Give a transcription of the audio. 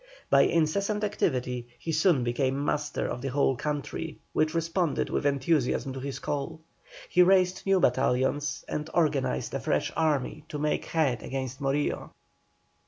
By incessant activity, he soon became master of the whole country, which responded with enthusiasm to his call. He raised new battalions and organized a fresh army to make head against Morillo.